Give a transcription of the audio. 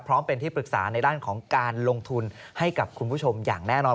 พร้อมเป็นที่ปรึกษาในด้านของการลงทุนให้กับคุณผู้ชมอย่างแน่นอน